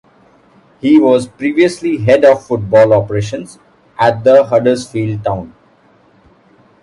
He was previously Head of Football Operations at Huddersfield Town.